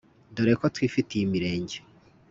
dore ko twifitiye imirenge